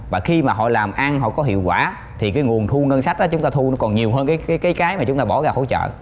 và khi mà họ làm ăn họ có hiệu quả thì cái nguồn thu ngân sách đó chúng ta thu nó còn nhiều hơn cái mà chúng ta bỏ ra hỗ trợ